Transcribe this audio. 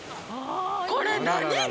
これ、何貝？